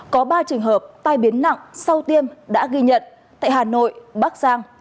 có ba trường hợp tai biến nặng sau tiêm đã ghi nhận tại hà nội bắc giang